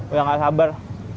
udah gak sabar